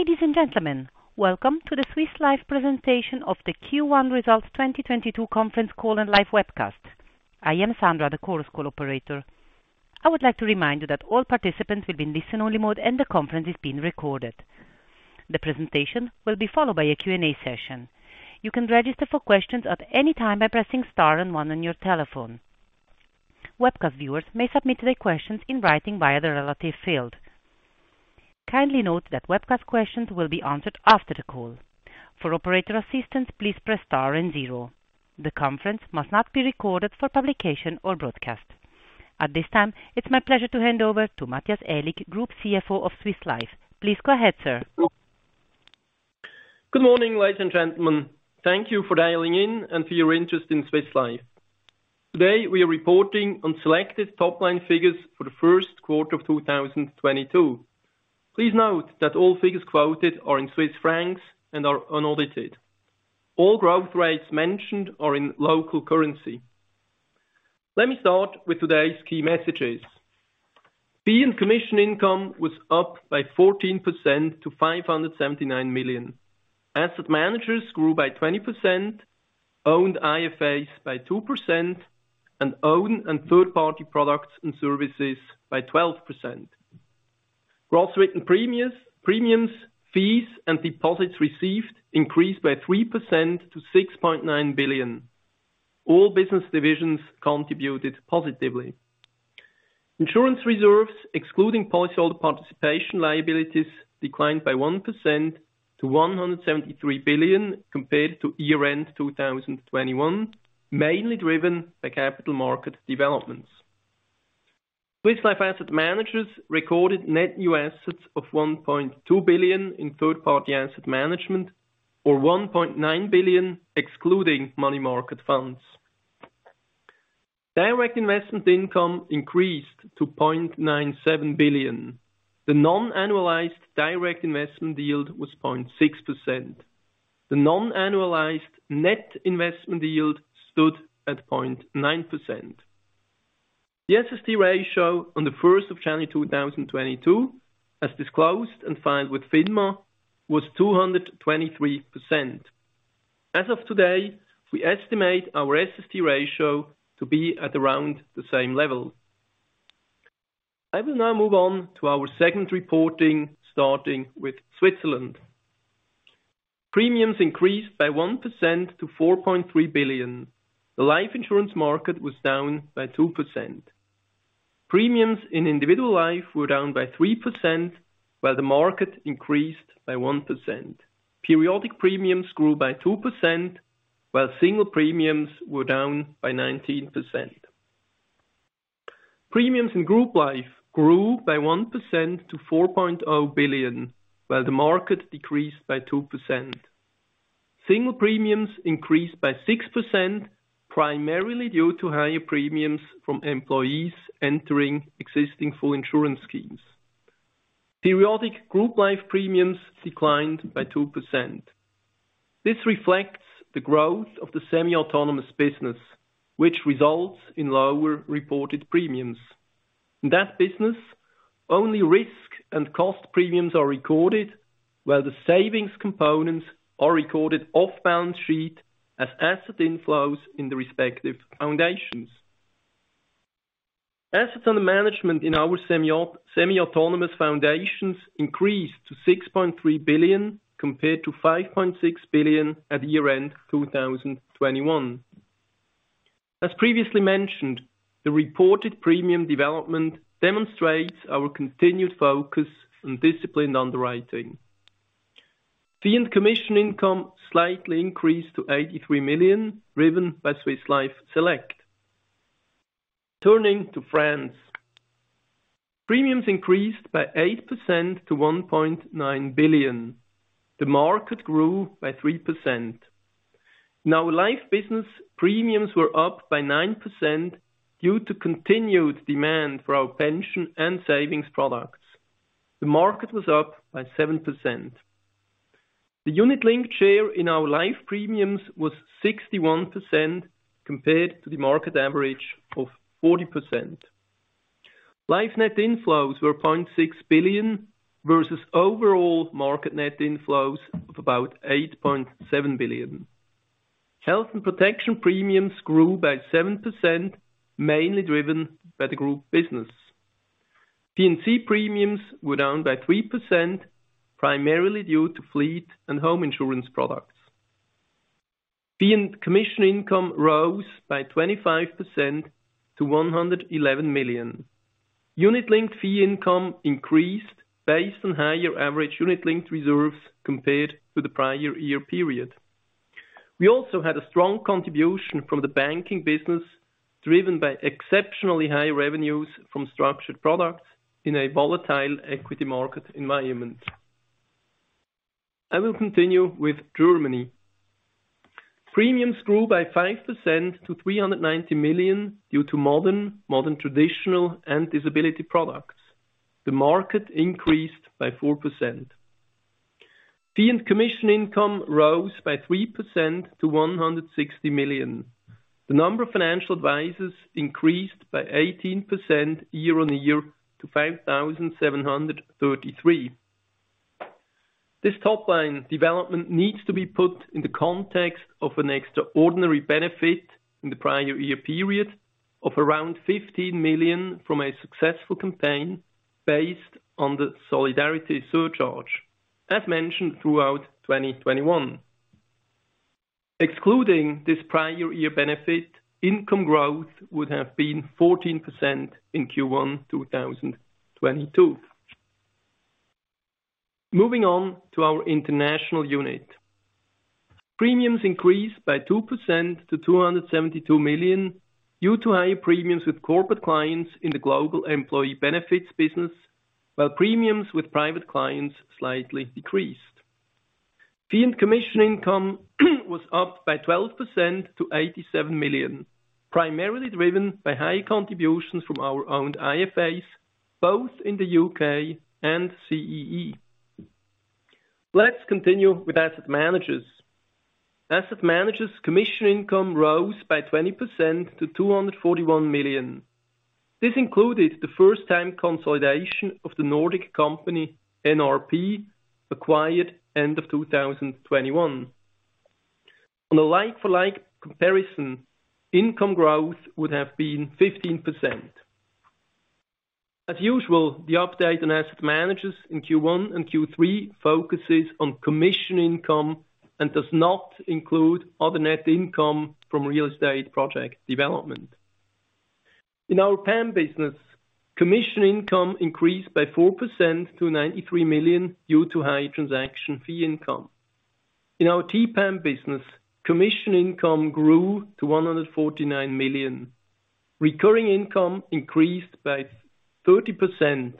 Ladies and gentlemen, welcome to the Swiss Life presentation of the Q1 Results 2022 conference call and live webcast. I am Sandra, the Chorus Call operator. I would like to remind you that all participants will be in listen only mode and the conference is being recorded. The presentation will be followed by a Q&A session. You can register for questions at any time by pressing star and one on your telephone. Webcast viewers may submit their questions in writing via the relative field. Kindly note that webcast questions will be answered after the call. For operator assistance, please press star and zero. The conference must not be recorded for publication or broadcast. At this time, it's my pleasure to hand over to Matthias Aellig, Group CFO of Swiss Life. Please go ahead, sir. Good morning, ladies and gentlemen. Thank you for dialing in and for your interest in Swiss Life. Today we are reporting on selected top-line figures for the first quarter of 2022. Please note that all figures quoted are in CHF and are unaudited. All growth rates mentioned are in local currency. Let me start with today's key messages. Fee and commission income was up by 14% to 579 million. Asset managers grew by 20%, owned IFAs by 2% and owned and third-party products and services by 12%. Gross written premiums, fees and deposits received increased by 3% to 6.9 billion. All business divisions contributed positively. Insurance reserves, excluding policyholder participation liabilities, declined by 1% to 173 billion compared to year-end 2021, mainly driven by capital market developments. Swiss Life asset managers recorded net new assets of 1.2 billion in third party asset management or 1.9 billion excluding money market funds. Direct investment income increased to 0.97 billion. The non-annualized direct investment yield was 0.6%. The non-annualized net investment yield stood at 0.9%. The SST ratio on January 1, 2022, as disclosed and filed with FINMA, was 223%. As of today, we estimate our SST ratio to be at around the same level. I will now move on to our segment reporting, starting with Switzerland. Premiums increased by 1% to 4.3 billion. The life insurance market was down by 2%. Premiums in individual life were down by 3%, while the market increased by 1%. Periodic premiums grew by 2%, while single premiums were down by 19%. Premiums in group life grew by 1% to 4.0 billion, while the market decreased by 2%. Single premiums increased by 6%, primarily due to higher premiums from employees entering existing full insurance schemes. Periodic group life premiums declined by 2%. This reflects the growth of the semi-autonomous business, which results in lower reported premiums. In that business, only risk and cost premiums are recorded, while the savings components are recorded off balance sheet as asset inflows in the respective foundations. Assets under management in our semi-autonomous foundations increased to 6.3 billion compared to 5.6 billion at year-end 2021. As previously mentioned, the reported premium development demonstrates our continued focus on disciplined underwriting. Fee and commission income slightly increased to 83 million, driven by Swiss Life Select. Turning to France. Premiums increased by 8% to 1.9 billion. The market grew by 3%. Life business premiums were up by 9% due to continued demand for our pension and savings products. The market was up by 7%. The unit link share in our life premiums was 61% compared to the market average of 40%. Life net inflows were 0.6 billion versus overall market net inflows of about 8.7 billion. Health and protection premiums grew by 7%, mainly driven by the group business. P&C premiums were down by 3%, primarily due to fleet and home insurance products. Fee and commission income rose by 25% to 111 million. Unit-linked fee income increased based on higher average unit-linked reserves compared to the prior year period. We also had a strong contribution from the banking business, driven by exceptionally high revenues from structured products in a volatile equity market environment. I will continue with Germany. Premiums grew by 5% to 390 million due to modern traditional and disability products. The market increased by 4%. Fee and commission income rose by 3% to 160 million. The number of financial advisors increased by 18% year-on-year to 5,733. This top-line development needs to be put in the context of an extraordinary benefit in the prior-year-period of around 15 million from a successful campaign based on the solidarity surcharge, as mentioned throughout 2021. Excluding this prior year benefit, income growth would have been 14% in Q1 2022. Moving on to our international unit. Premiums increased by 2% to 272 million, due to higher premiums with corporate clients in the global employee benefits business, while premiums with private clients slightly decreased. Fee and commission income was up by 12% to 87 million, primarily driven by high contributions from our own IFAs, both in the U.K. and CEE. Let's continue with asset managers. Asset managers commission income rose by 20% to 241 million. This included the first time consolidation of the Nordic company NRP acquired end of 2021. On a like-for-like comparison, income growth would have been 15%. As usual, the update on asset managers in Q1 and Q3 focuses on commission income and does not include other net income from real estate project development. In our PAM business, commission income increased by 4% to 93 million due to high transaction fee income. In our TPAM business, commission income grew to 149 million. Recurring income increased by 30%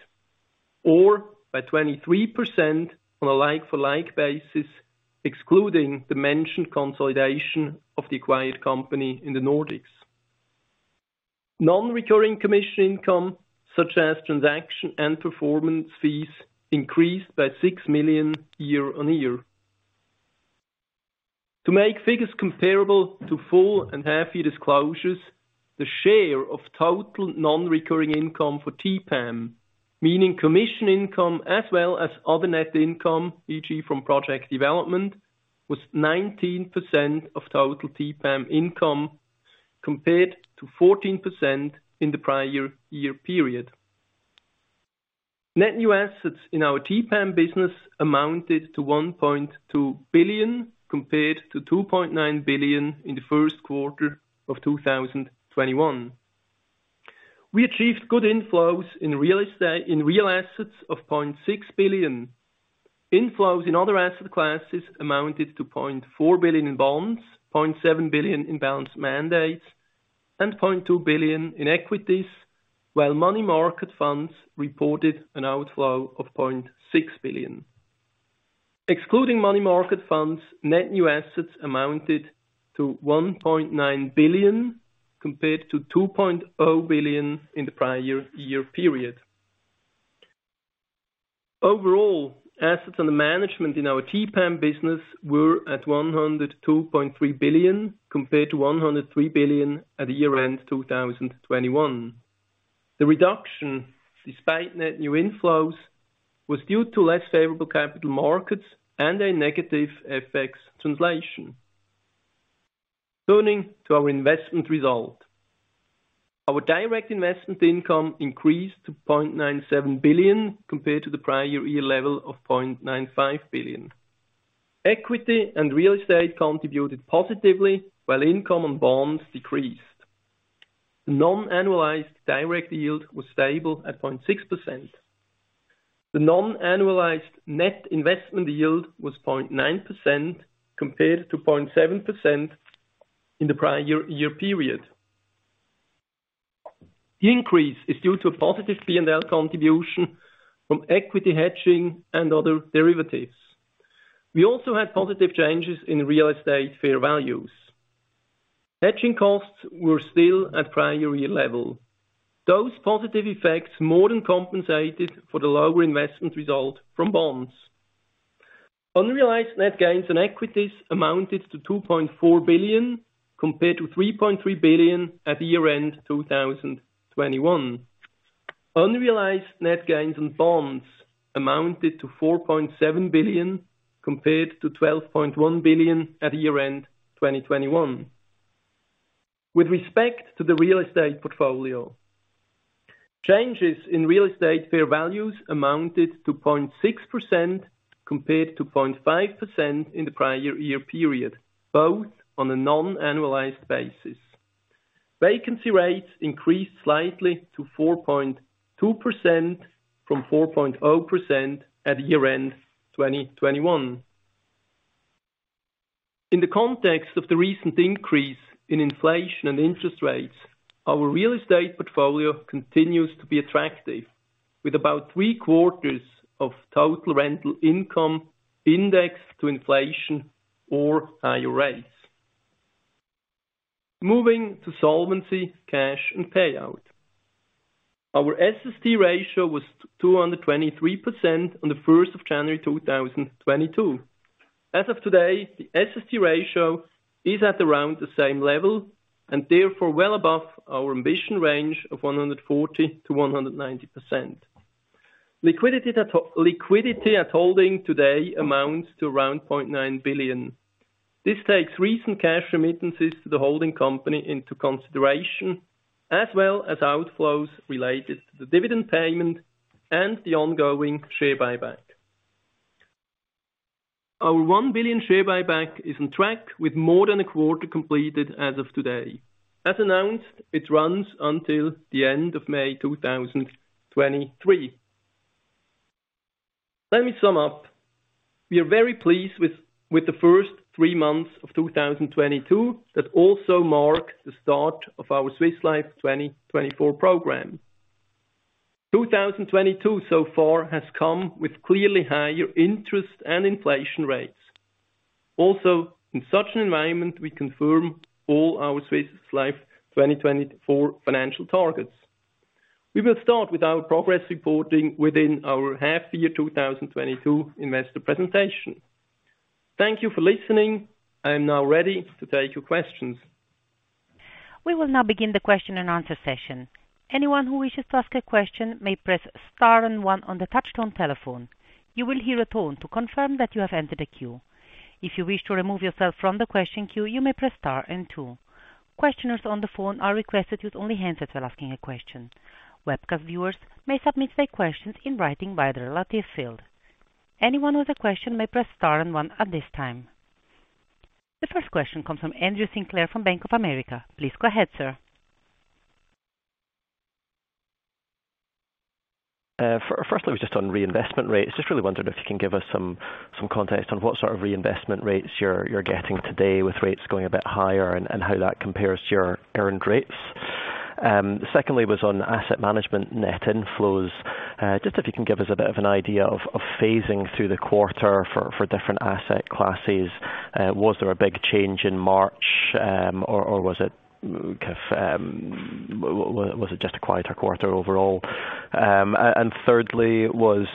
or by 23% on a like-for-like basis, excluding the mentioned consolidation of the acquired company in the Nordics. Non-recurring commission income, such as transaction and performance fees, increased by 6 million year-on-year. To make figures comparable to full- and half-year disclosures, the share of total non-recurring income for TPAM, meaning commission income as well as other net income, e.g., from project development, was 19% of total TPAM income, compared to 14% in the prior-year-period. Net new assets in our TPAM business amounted to 1.2 billion, compared to 2.9 billion in the first quarter of 2021. We achieved good inflows in real assets of 0.6 billion. Inflows in other asset classes amounted to 0.4 billion in bonds, 0.7 billion in balanced mandates, and 0.2 billion in equities, while money market funds reported an outflow of 0.6 billion. Excluding money market funds, net new assets amounted to 1.9 billion, compared to 2.0 billion in the prior year period. Overall, assets under management in our TPAM business were at 102.3 billion, compared to 103 billion at the year-end 2021. The reduction, despite net new inflows, was due to less favorable capital markets and a negative FX translation. Turning to our investment result. Our direct investment income increased to 0.97 billion compared to the prior year level of 0.95 billion. Equity and real estate contributed positively while income on bonds decreased. Non-annualized direct yield was stable at 0.6%. The non-annualized net investment yield was 0.9% compared to 0.7% in the prior-year-period. The increase is due to a positive P&L contribution from equity hedging and other derivatives. We also had positive changes in real estate fair values. Hedging costs were still at prior year level. Those positive effects more than compensated for the lower investment result from bonds. Unrealized net gains on equities amounted to 2.4 billion, compared to 3.3 billion at year-end 2021. Unrealized net gains on bonds amounted to 4.7 billion, compared to 12.1 billion at year-end 2021. With respect to the real estate portfolio, changes in real estate fair values amounted to 0.6%, compared to 0.5% in the prior-year-period, both on a non-annualized basis. Vacancy rates increased slightly to 4.2% from 4.0% at year-end 2021. In the context of the recent increase in inflation and interest rates, our real estate portfolio continues to be attractive with about three-quarters of total rental income indexed to inflation or higher rates. Moving to solvency, cash, and payout. Our SST ratio was 223% on January 1, 2022. As of today, the SST ratio is at around the same level and therefore well above our ambition range of 140%-190%. Liquidity at holding today amounts to around 0.9 billion. This takes recent cash remittances to the holding company into consideration, as well as outflows related to the dividend payment and the ongoing share buyback. Our 1 billion share buyback is on track with more than a quarter completed as of today. As announced, it runs until the end of May 2023. Let me sum up. We are very pleased with the first three months of 2022 that also mark the start of our Swiss Life 2024 program. 2022 so far has come with clearly higher interest and inflation rates. Also, in such an environment, we confirm all our Swiss Life 2024 financial targets. We will start with our progress reporting within our half-year 2022 investor presentation. Thank you for listening. I am now ready to take your questions. We will now begin the question and answer session. Anyone who wishes to ask a question may press star and one on the touchtone telephone. You will hear a tone to confirm that you have entered a queue. If you wish to remove yourself from the question queue, you may press star and two. Questioners on the phone are requested to only answer while asking a question. Webcast viewers may submit their questions in writing via the relative field. Anyone with a question may press star and one at this time. The first question comes from Andrew Sinclair from Bank of America. Please go ahead, sir. First it was just on reinvestment rates. Just really wondered if you can give us some context on what sort of reinvestment rates you're getting today with rates going a bit higher and how that compares to your earned rates. Secondly, was on asset management net inflows. Just if you can give us a bit of an idea of phasing through the quarter for different asset classes. Was there a big change in March? Or was it just a quieter quarter overall? Thirdly was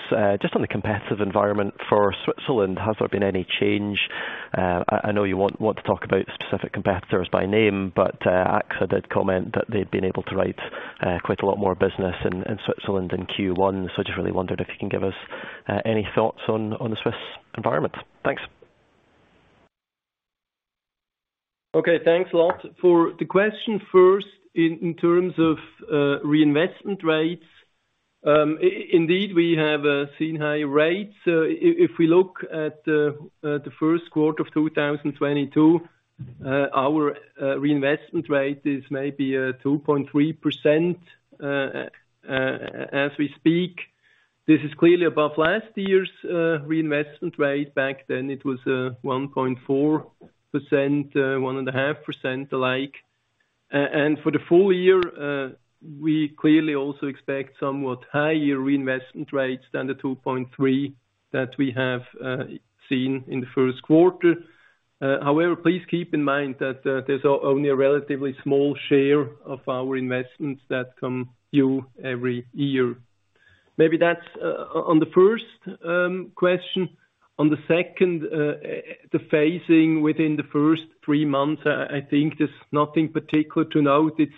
just on the competitive environment for Switzerland. Has there been any change? I know you won't want to talk about specific competitors by name, but AXA did comment that they've been able to write quite a lot more business in Switzerland in Q1. I just really wondered if you can give us any thoughts on the Swiss environment. Thanks. Okay, thanks a lot. For the first question in terms of reinvestment rates. Indeed, we have seen higher rates. If we look at the first quarter of 2022, our reinvestment rate is maybe 2.3% as we speak. This is clearly above last year's reinvestment rate. Back then it was 1.4%, 1.5% the like. For the full year, we clearly also expect somewhat higher reinvestment rates than the 2.3 that we have seen in the first quarter. However, please keep in mind that there's only a relatively small share of our investments that come due every year. Maybe that's on the first question. On the second, the phasing within the first three months, I think there's nothing particular to note. It's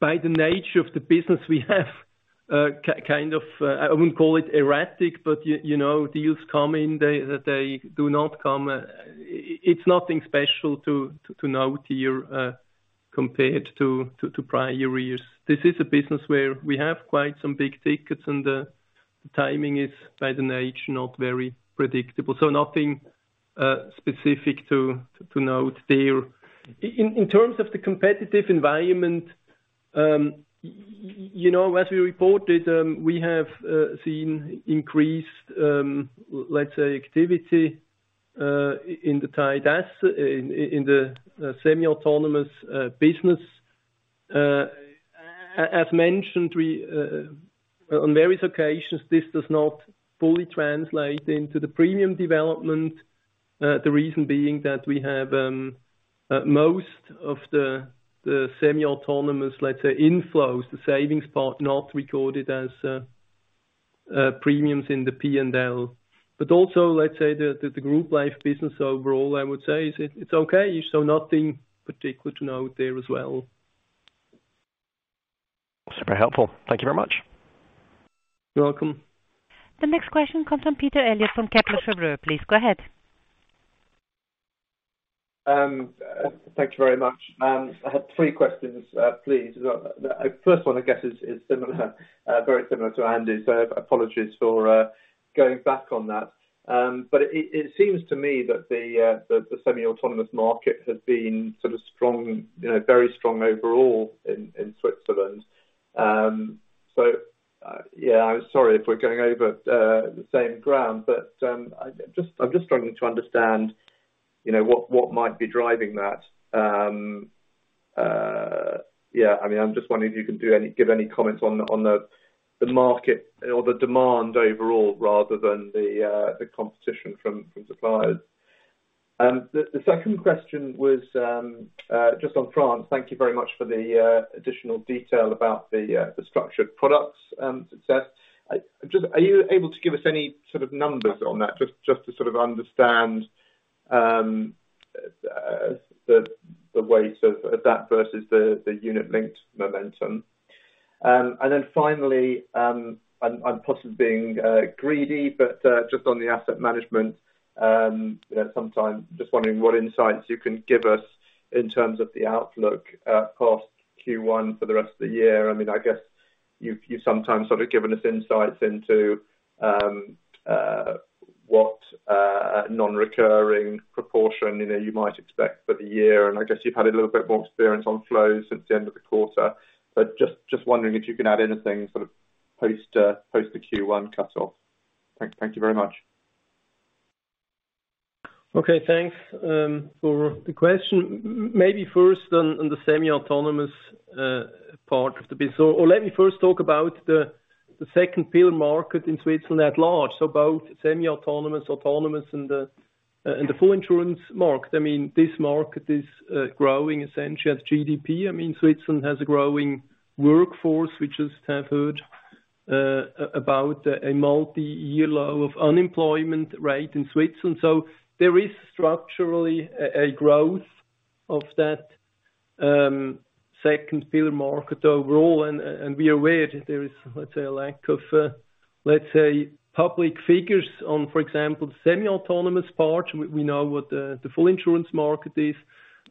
by the nature of the business we have, kind of, I wouldn't call it erratic, but you know, deals come in. They do not come. It's nothing special to note here, compared to prior years. This is a business where we have quite some big tickets and the timing is by the nature, not very predictable. Nothing specific to note there. In terms of the competitive environment, you know, as we reported, we have seen increased, let's say activity, in the TI-DAS, in the semi-autonomous business. As mentioned, we, on various occasions, this does not fully translate into the premium development. The reason being that we have most of the semi-autonomous, let's say, inflows, the savings part, not recorded as premiums in the P&L. But also, let's say, the group life business overall, I would say, is it's okay. Nothing particular to note there as well. Super helpful. Thank you very much. You're welcome. The next question comes from Peter Eliot from Kepler Cheuvreux. Please go ahead. Thank you very much. I had three questions, please. The first one I guess is similar, very similar to Andy's. Apologies for going back on that. It seems to me that the semi-autonomous market has been sort of strong, you know, very strong overall in Switzerland. Yeah, I'm sorry if we're going over the same ground, but I'm just struggling to understand, you know, what might be driving that. Yeah, I mean, I'm just wondering if you can give any comments on the market or the demand overall rather than the competition from suppliers. The second question was just on France. Thank you very much for the additional detail about the structured products success. Just, are you able to give us any sort of numbers on that? Just to sort of understand the weight of that versus the unit-linked momentum. I'm possibly being greedy. Just on the asset management, you know, sometimes just wondering what insights you can give us in terms of the outlook post Q1 for the rest of the year. I mean, I guess you've sometimes sort of given us insights into what non-recurring proportion, you know, you might expect for the year. I guess you've had a little bit more experience on flows since the end of the quarter. Just wondering if you can add anything sort of post the Q1 cutoff. Thank you very much. Okay, thanks for the question. Maybe first on the semi-autonomous part of the business. Let me first talk about the second pillar market in Switzerland at large. Both semi-autonomous, autonomous and the full insurance market. I mean, this market is growing essentially as GDP. I mean, Switzerland has a growing workforce, which is at about a multi-year low of unemployment rate in Switzerland. There is structurally a growth of that second pillar market overall. We are aware there is, let's say, a lack of, let's say, public figures on, for example, the semi-autonomous part. We know what the full insurance market is.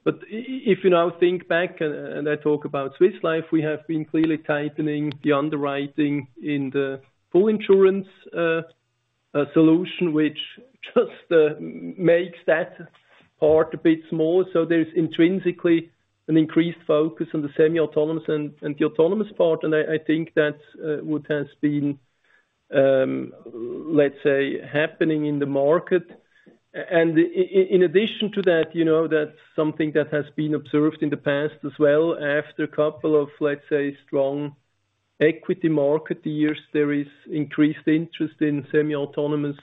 If you now think back and I talk about Swiss Life, we have been clearly tightening the underwriting in the full insurance solution, which just makes that part a bit small. There's intrinsically an increased focus on the semi-autonomous and the autonomous part. I think that's what has been, let's say, happening in the market. In addition to that, you know that's something that has been observed in the past as well. After a couple of, let's say, strong equity market years, there is increased interest in semi-autonomous,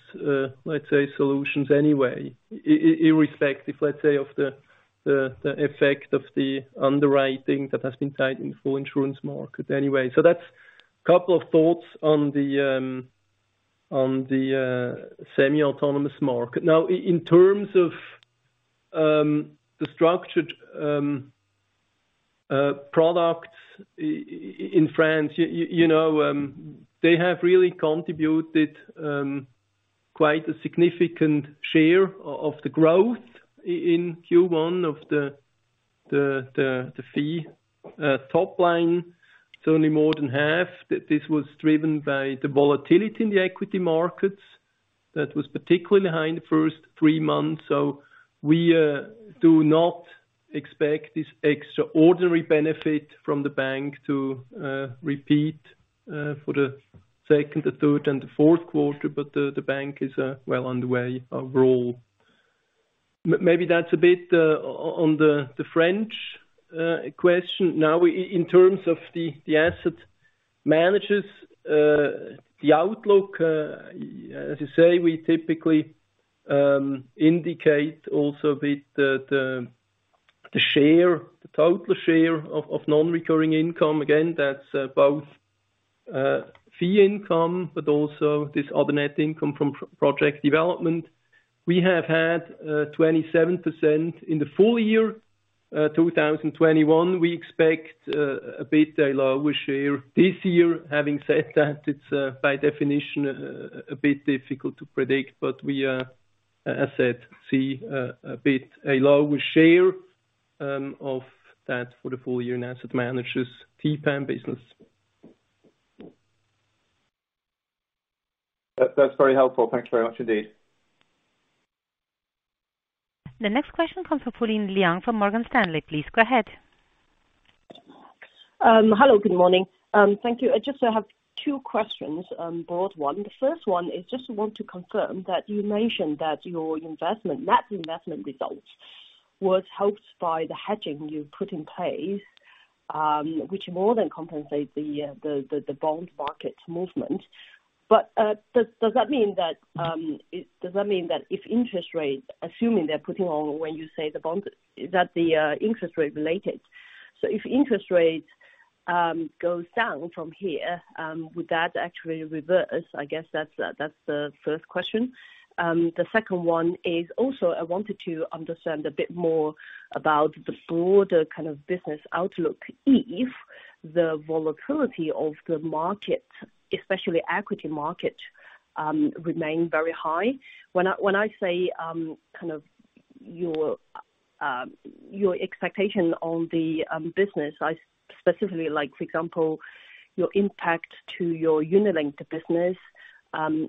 let's say, solutions anyway. Irrespective, let's say, of the effect of the underwriting that has been tightened in full insurance market anyway. That's couple of thoughts on the semi-autonomous market. Now in terms of the structured products in France, you know, they have really contributed quite a significant share of the growth in Q1 of the fee top line. It's only more than half. This was driven by the volatility in the equity markets that was particularly high in the first three months. We do not expect this extraordinary benefit from the bank to repeat for the second, third and fourth quarter. The bank is well underway overall. Maybe that's a bit on the French question. Now in terms of the asset managers, the outlook, as you say, we typically indicate also a bit the total share of non-recurring income. Again, that's both fee income, but also this other net income from project development. We have had 27%. In the full year 2021, we expect a bit lower share this year. Having said that, it's by definition a bit difficult to predict. We are, as said, see a bit lower share of that for the full year in asset managers fee paying business. That's very helpful. Thanks very much indeed. The next question comes from Pauline Liang from Morgan Stanley. Please go ahead. Hello, good morning. Thank you. I just have two questions, broad one. The first one is just want to confirm that you mentioned that your investment, net investment results was helped by the hedging you put in place, which more than compensates the bond market movement. Does that mean that if interest rates, assuming they're going up when you say the bond, that the interest rate related? If interest rates goes down from here, would that actually reverse? I guess that's the first question. The second one is also I wanted to understand a bit more about the broader kind of business outlook if the volatility of the market, especially equity market, remain very high. When I say kind of your expectation on the business, I specifically like for example your impact to your unit-linked business,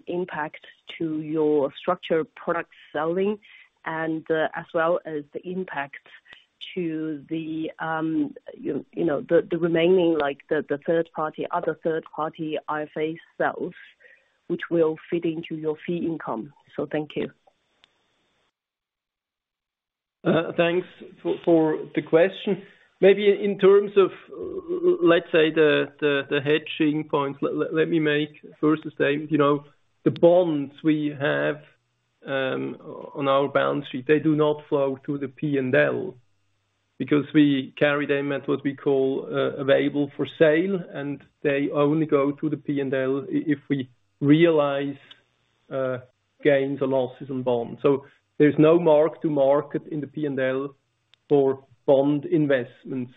impact to your structured product selling, and as well as the impact to the you know the remaining like the other third-party IFA sales, which will fit into your fee income. Thank you. Thanks for the question. Maybe in terms of, let's say, the hedging point, let me make first the same, you know, the bonds we have on our balance sheet, they do not flow to the P&L because we carry them at what we call available for sale, and they only go to the P&L if we realize gains or losses on bonds. There's no mark to market in the P&L for bond investments.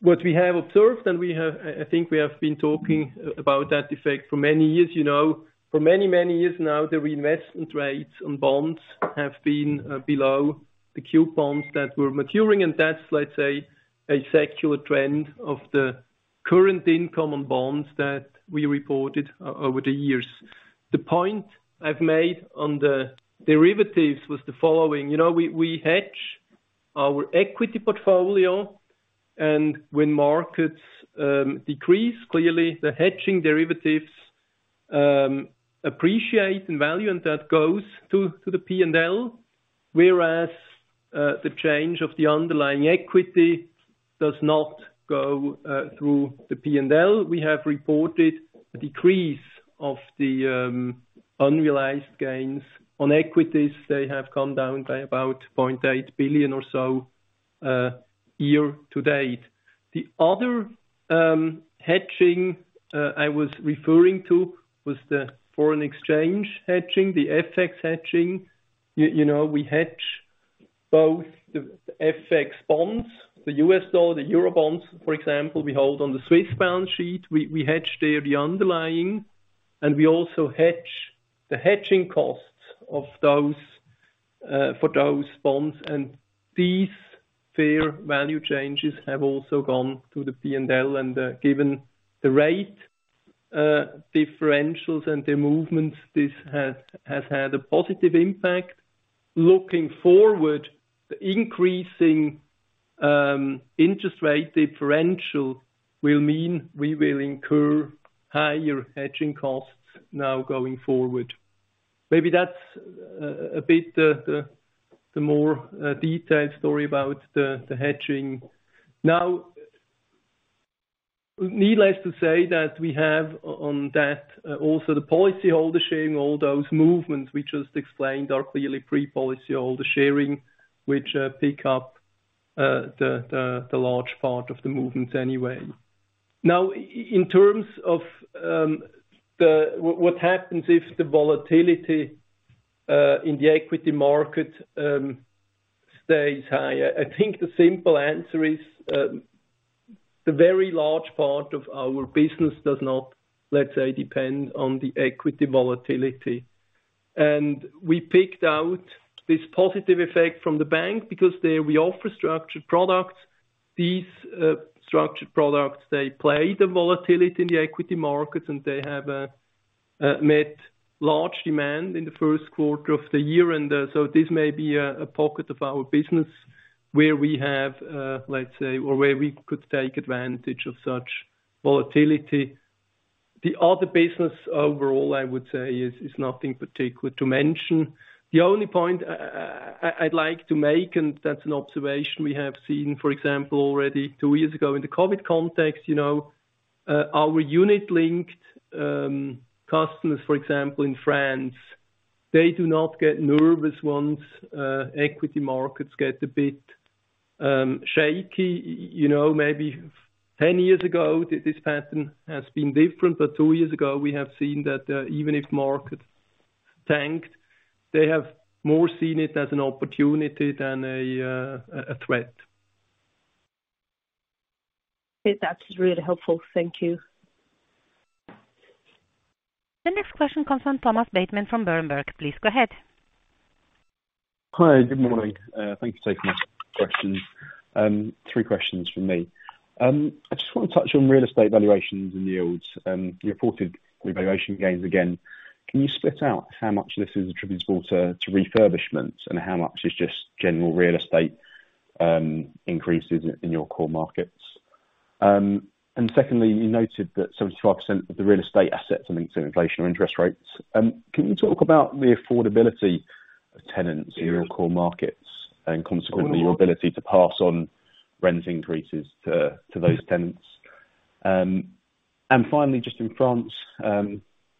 What we have observed, and we have, I think we have been talking about that effect for many years, you know. For many years now, the reinvestment rates on bonds have been below the coupons that were maturing, and that's, let's say, a secular trend of the current income on bonds that we reported over the years. The point I've made on the derivatives was the following: You know, we hedge our equity portfolio, and when markets decrease, clearly the hedging derivatives appreciate in value, and that goes to the P&L. Whereas the change of the underlying equity does not go through the P&L. We have reported a decrease of the unrealized gains. On equities, they have come down by about 0.8 billion or so year to date. The other hedging I was referring to was the foreign exchange hedging, the FX hedging. You know, we hedge both the FX bonds, the U.S. dollar, the euro bonds, for example, we hold on the Swiss balance sheet. We hedge there the underlying, and we also hedge the hedging costs of those for those bonds. These fair value changes have also gone to the P&L. Given the rate differentials and the movements, this has had a positive impact. Looking forward, the increasing interest rate differential will mean we will incur higher hedging costs now going forward. Maybe that's a bit more detailed story about the hedging. Now, needless to say that we have on that also the policyholder sharing. All those movements we just explained are clearly pre-policyholder sharing, which pick up the large part of the movements anyway. Now in terms of what happens if the volatility in the equity market stays high? I think the simple answer is, the very large part of our business does not, let's say, depend on the equity volatility. We picked out this positive effect from the bank because there we offer structured products. These structured products, they play the volatility in the equity markets, and they have met large demand in the first quarter of the year. This may be a pocket of our business where we have, let's say, or where we could take advantage of such volatility. The other business overall, I would say, is nothing particular to mention. The only point I'd like to make, and that's an observation we have seen, for example, already two years ago in the COVID context, you know, our unit-linked customers, for example, in France, they do not get nervous once equity markets get a bit shaky. You know, maybe 10 years ago this pattern has been different, but two years ago we have seen that, even if markets tanked, they have more seen it as an opportunity than a threat. Okay. That's really helpful. Thank you. The next question comes from Thomas Bateman from Berenberg. Please go ahead. Hi. Good morning. Thank you for taking my questions. Three questions from me. I just wanna touch on real estate valuations and yields and the reported revaluation gains again. Can you split out how much of this is attributable to refurbishments, and how much is just general real estate increases in your core markets? Secondly, you noted that 75% of the real estate assets are linked to inflation or interest rates. Can you talk about the affordability of tenants in your core markets and consequently your ability to pass on rent increases to those tenants? Finally, just in France,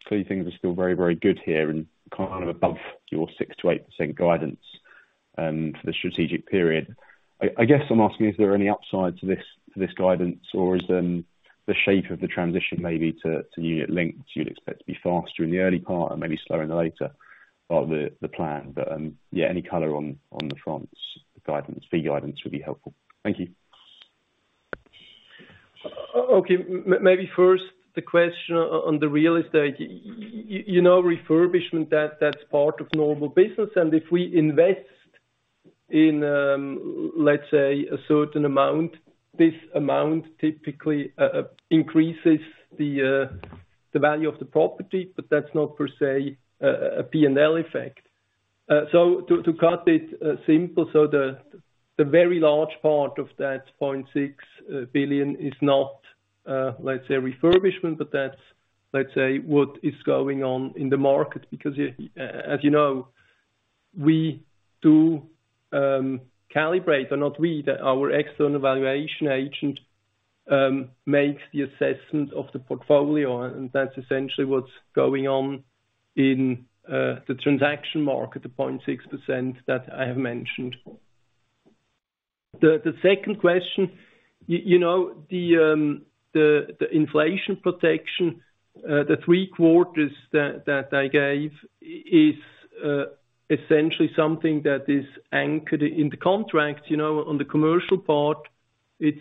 clearly things are still very, very good here and kind of above your 6%-8% guidance for the strategic period. I guess I'm asking is there any upside to this guidance, or is the shape of the transition maybe to unit links you'd expect to be faster in the early part and maybe slower in the later part of the plan. Yeah, any color on the France guidance, fee guidance would be helpful. Thank you. Okay. Maybe first the question on the real estate. You know, refurbishment, that's part of normal business. If we invest in, let's say, a certain amount, this amount typically increases the value of the property, but that's not per se a P&L effect. To cut it simple, the very large part of that 0.6 billion is not, let's say, refurbishment, but that's, let's say, what is going on in the market, because, as you know, we do calibrate, or rather, our external valuation agent makes the assessment of the portfolio, and that's essentially what's going on in the transaction market, the 0.6% that I have mentioned. The second question, you know, the inflation protection, the three quarters that I gave is essentially something that is anchored in the contract, you know, on the commercial part, it's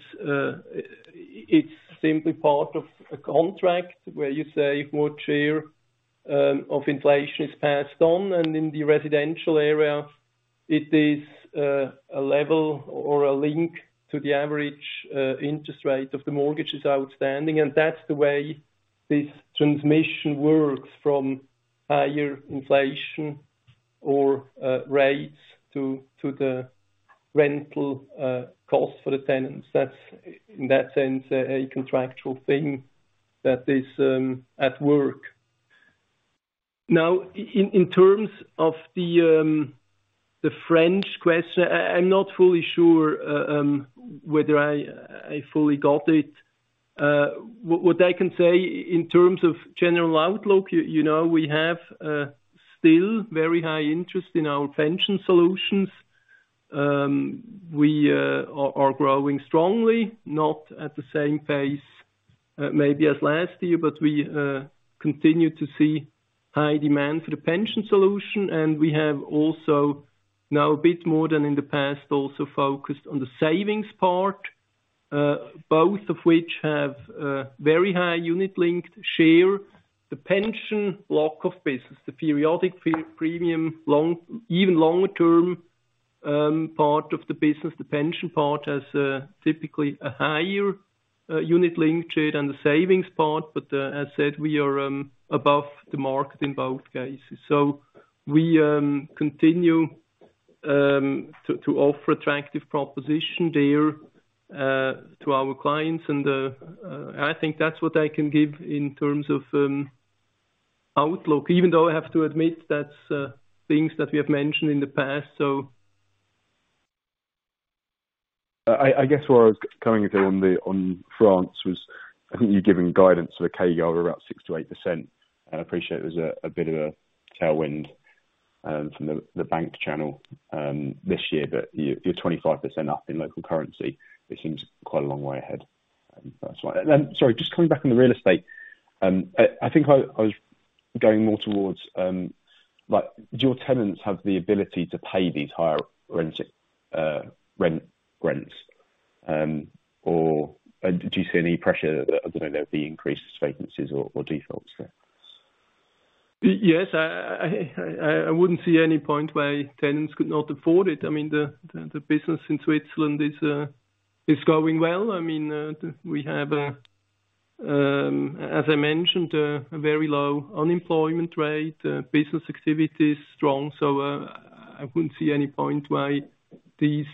simply part of a contract where you say what share of inflation is passed on, and in the residential area, it is a level or a link to the average interest rate of the mortgages outstanding. That's the way this transmission works from higher inflation or rates to the rental cost for the tenants. That's in that sense, a contractual thing that is at work. Now in terms of the French question, I'm not fully sure whether I fully got it. What I can say in terms of general outlook, you know, we have still very high interest in our pension solutions. We are growing strongly, not at the same pace maybe as last year, but we continue to see high demand for the pension solution. We have also now a bit more than in the past also focused on the savings part, both of which have very high unit-linked share. The pension block of business, the periodic premium longer-term part of the business, the pension part has typically a higher unit-linked share than the savings part. As said, we are above the market in both cases. We continue to offer attractive proposition there to our clients. I think that's what I can give in terms of outlook, even though I have to admit that's things that we have mentioned in the past so. I guess where I was coming with you on France was, I think you're giving guidance for the key year of about 6%-8%. I appreciate there's a bit of a tailwind from the bank channel this year, but you're 25% up in local currency, which seems quite a long way ahead. That's why. Then, sorry, just coming back on the real estate. I think I was going more towards, like, do your tenants have the ability to pay these higher rents, or do you see any pressure, you know, the increased vacancies or defaults there? Yes. I wouldn't see any point why tenants could not afford it. I mean, the business in Switzerland is going well. I mean, we have, as I mentioned, a very low unemployment rate. Business activity is strong. I wouldn't see any point why these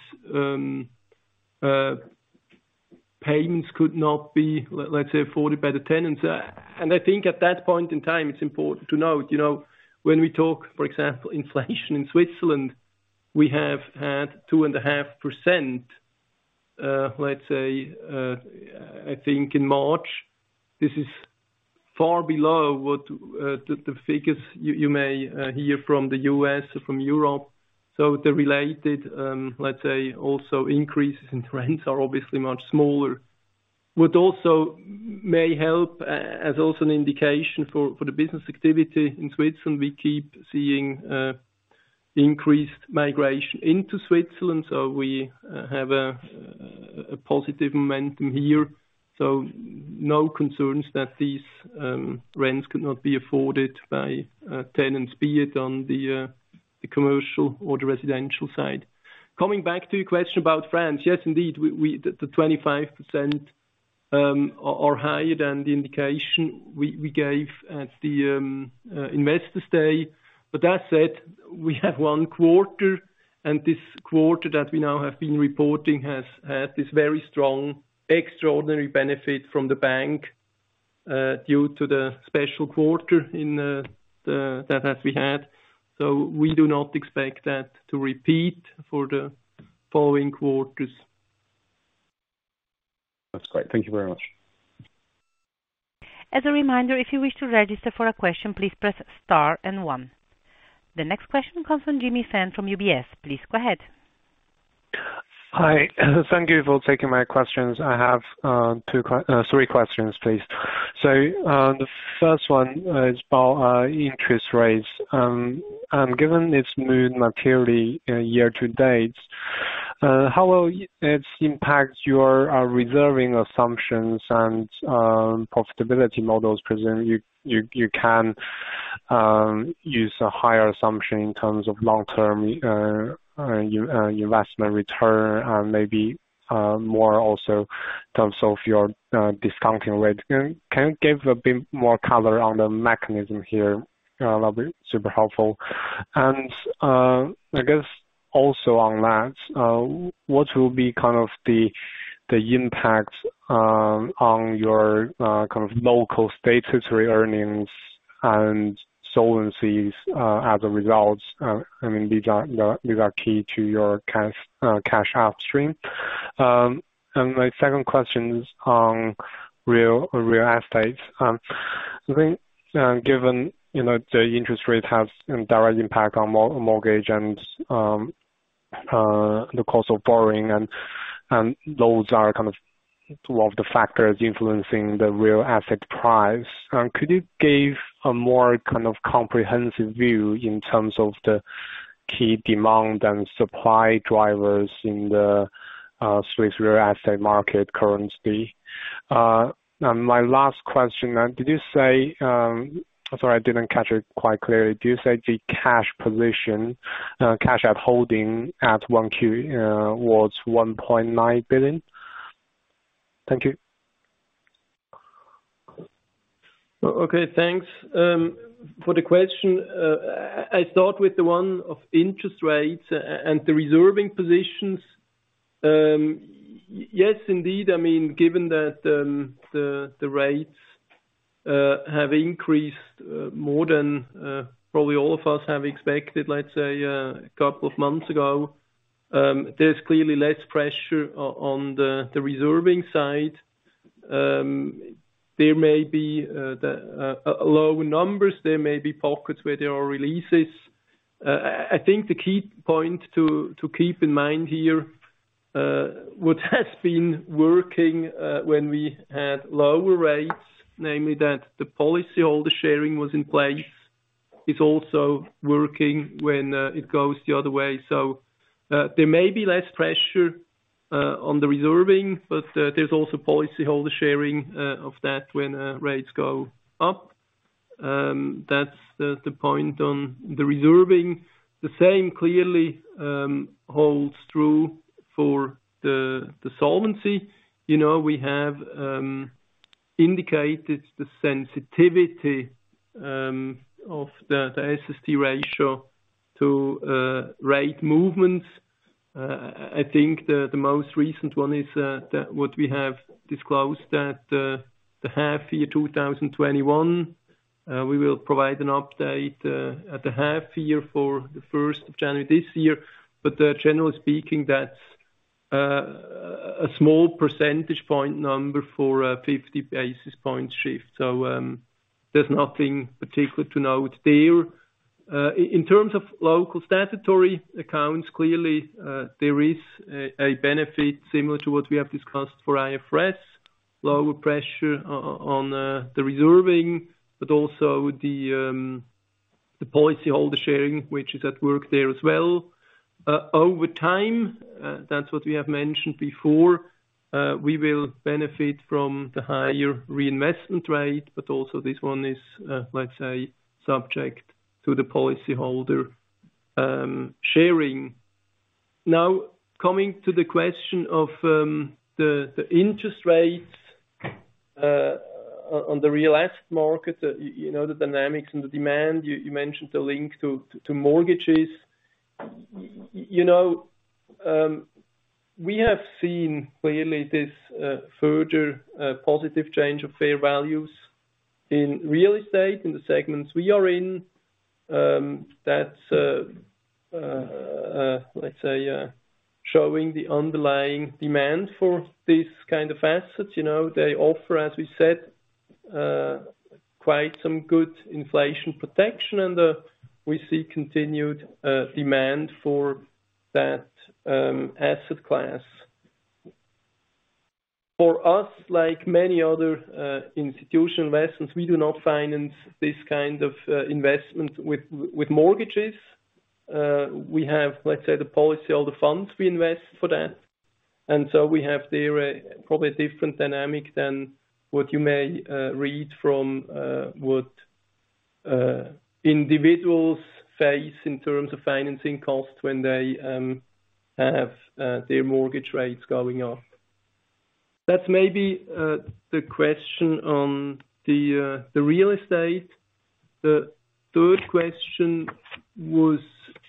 payments could not be, let's say, afforded by the tenants. I think at that point in time, it's important to note, you know, when we talk, for example, inflation in Switzerland, we have had 2.5%, let's say, I think in March. This is far below what the figures you may hear from the U.S. or from Europe. The related, let's say, also increases in rents are obviously much smaller. What also may help, as also an indication for the business activity in Switzerland, we keep seeing increased migration into Switzerland. We have a positive momentum here. No concerns that these rents could not be afforded by tenants, be it on the commercial or the residential side. Coming back to your question about France. Yes, indeed, the 25% are higher than the indication we gave at the Investor Day. That said, we have one quarter, and this quarter that we now have been reporting has this very strong extraordinary benefit from the bank due to the special quarter that we had. We do not expect that to repeat for the following quarters. That's great. Thank you very much. As a reminder, if you wish to register for a question, please press star and one. The next question comes from Jimmy Fan from UBS. Please go ahead. Hi. Thank you for taking my questions. I have three questions, please. The first one is about interest rates. Given it's moved materially year-to-date, how will it impact your reserving assumptions and profitability models, presuming you can use a higher assumption in terms of long-term investment return and maybe more also in terms of your discounting rate? Can you give a bit more color on the mechanism here? That'll be super helpful. I guess also on that, what will be kind of the The impact on your kind of local statutory earnings and solvency as a result. I mean, these are key to your cash upstream. My second question is on real estate. I think, given you know, the interest rate has a direct impact on mortgage and the cost of borrowing and loans are kind of two of the factors influencing the real estate price. Could you give a more kind of comprehensive view in terms of the key demand and supply drivers in the Swiss real estate market currently? My last question, did you say. Sorry, I didn't catch it quite clearly. Did you say the cash position, cash on hand at 1Q was 1.9 billion? Thank you. Okay, thanks for the question. I start with the one of interest rates and the reserving positions. Yes, indeed. I mean, given that the rates have increased more than probably all of us have expected, let's say, a couple of months ago, there's clearly less pressure on the reserving side. There may be allowances, there may be pockets where there are releases. I think the key point to keep in mind here, what has been working when we had lower rates, namely that the policyholder sharing was in place, is also working when it goes the other way. There may be less pressure on the reserving, but there's also policyholder sharing of that when rates go up. That's the point on the reserving. The same clearly holds true for the solvency. You know, we have indicated the sensitivity of the SST ratio to rate movements. I think the most recent one is what we have disclosed at the half year 2021. We will provide an update at the half year for the first of January this year. Generally speaking, that's a small percentage point number for a 50 basis point shift. There's nothing particular to note there. In terms of local statutory accounts, clearly, there is a benefit similar to what we have discussed for IFRS. Lower pressure on the reserving, but also the policyholder sharing, which is at work there as well. Over time, that's what we have mentioned before, we will benefit from the higher reinvestment rate, but also this one is, let's say, subject to the policyholder sharing. Now, coming to the question of the interest rates on the real estate market, you know, the dynamics and the demand. You mentioned the link to mortgages. You know, we have seen clearly this further positive change of fair values in real estate, in the segments we are in. That's, let's say, showing the underlying demand for these kind of assets. You know, they offer, as we said, quite some good inflation protection, and we see continued demand for that asset class. For us, like many other institutional investors, we do not finance this kind of investment with mortgages. We have, let's say, the policy, all the funds we invest for that. We have there a probably different dynamic than what you may read from what individuals face in terms of financing costs when they have their mortgage rates going up. That's maybe the question on the real estate. The third question was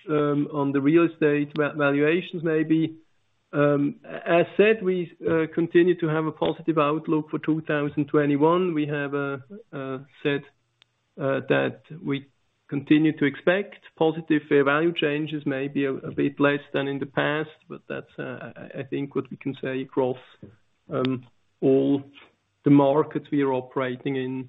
on the real estate valuations, maybe. As said, we continue to have a positive outlook for 2021. We have said that we continue to expect positive fair value changes, maybe a bit less than in the past, but that's I think what we can say across all the markets we are operating in.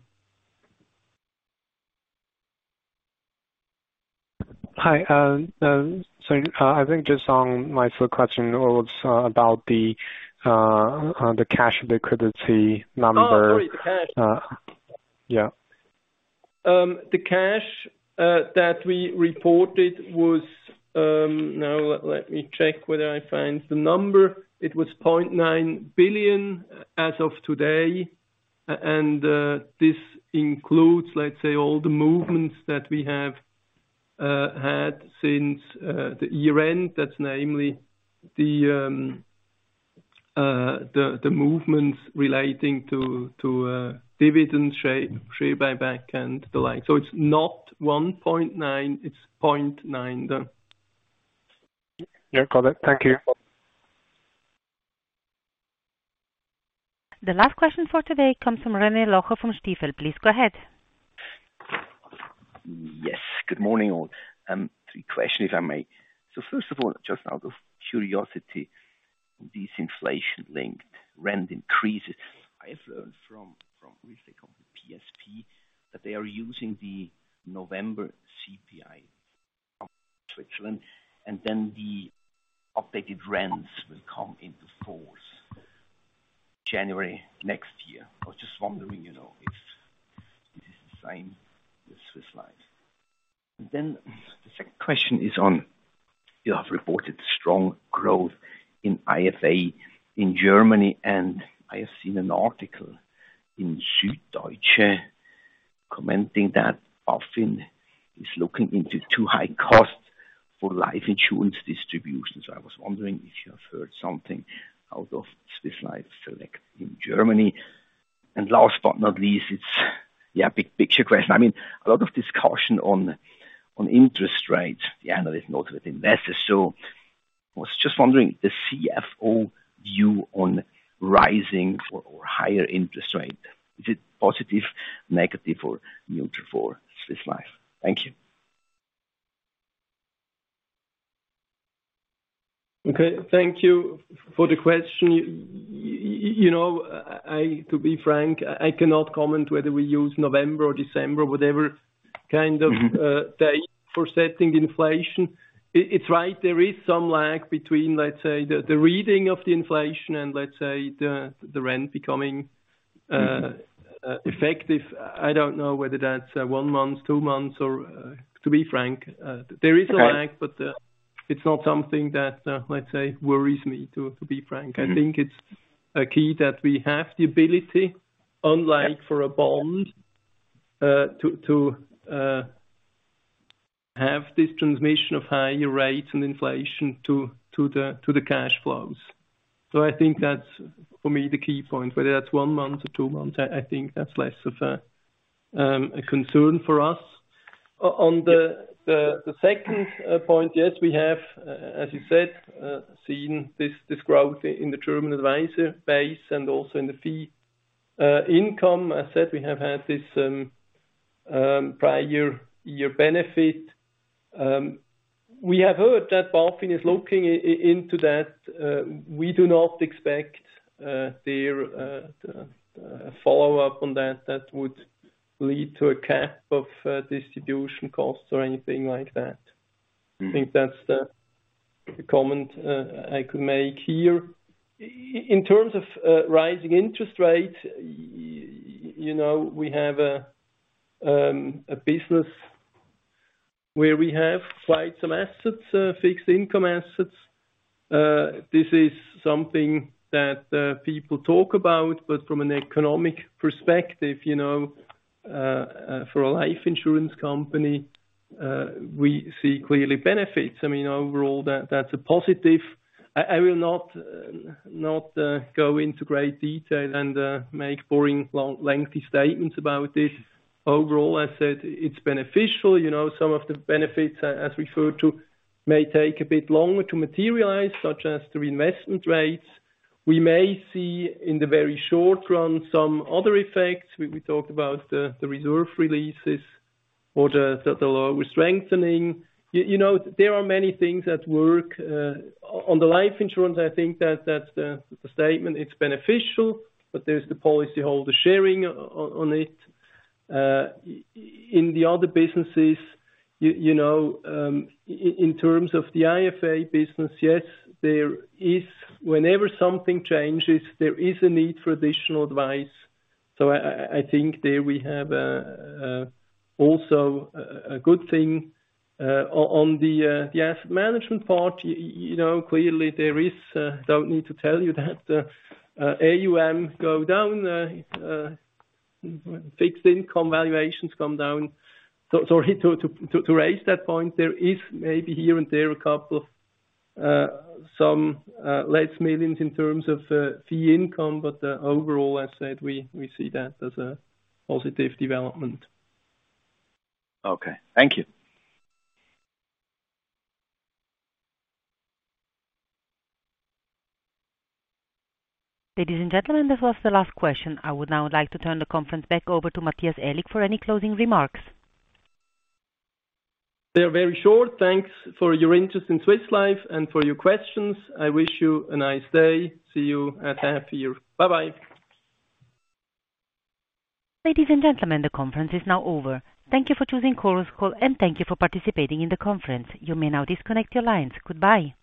Hi. I think just on my third question was about the cash liquidity number. Oh, sorry. The cash. Yeah. The cash that we reported was, now let me check whether I find the number. It was 0.9 billion as of today. This includes, let's say, all the movements that we have had since the year-end. That's namely the movements relating to dividends, share buyback and the like. It's not 1.9, it's 0.9 billion. Yeah, got it. Thank you. The last question for today comes from René Locher from Stifel. Please go ahead. Yes. Good morning, all. Three questions, if I may. First of all, just out of curiosity, these inflation-linked rent increases, I have learned from. Okay. Thank you for the question. You know, to be frank, I cannot comment whether we use November or December, whatever kind of date for setting inflation. It's right, there is some lag between, let's say, the reading of the inflation and let's say, the rent becoming effective. I don't know whether that's one month, two months, or, to be frank, there is a lag, but it's not something that, let's say, worries me, to be frank. I think it's a key that we have the ability, unlike for a bond, to have this transmission of higher rates and inflation to the cash flows. I think that's for me, the key point, whether that's one month or two months, I think that's less of a concern for us. On the second point, yes, we have, as you said, seen this growth in the German advisor base and also in the fee income. I said we have had this prior year benefit. We have heard that BaFin is looking into that. We do not expect their follow-up on that would lead to a cap of distribution costs or anything like that. I think that's the comment I could make here. In terms of rising interest rates, you know, we have a business where we have quite some assets, fixed income assets. This is something that people talk about, but from an economic perspective, you know, for a life insurance company, we see clearly benefits. I mean, overall, that's a positive. I will not go into great detail and make boring, long, lengthy statements about this. Overall, I said it's beneficial. You know, some of the benefits as referred to may take a bit longer to materialize, such as the investment rates. We may see in the very short run some other effects. We talked about the reserve releases or the law strengthening. You know, there are many things at work. On the life insurance, I think that's the statement. It's beneficial, but there's the policyholder sharing on it. In the other businesses, you know, in terms of the IFA business, yes, there is. Whenever something changes, there is a need for additional advice. I think there we have also a good thing. On the asset management part, you know, clearly there is, don't need to tell you that, AUM go down. Fixed income valuations come down. To raise that point, there is maybe here and there a couple of some less millions in terms of fee income. Overall, as said, we see that as a positive development. Okay. Thank you. Ladies and gentlemen, this was the last question. I would now like to turn the conference back over to Matthias Aellig for any closing remarks. They're very short. Thanks for your interest in Swiss Life and for your questions. I wish you a nice day. See you at half year. Bye-bye. Ladies and gentlemen, the conference is now over. Thank you for choosing Chorus Call, and thank you for participating in the conference. You may now disconnect your lines. Goodbye.